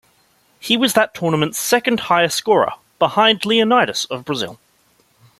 He was that tournament's second-highest scorer, behind Leonidas of Brazil.